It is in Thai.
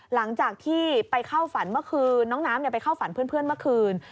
หลังจากที่ไปเข้าฝันเมื่อคืนน้องน้ำไปเข้าฝันเพื่อนเมื่อคืน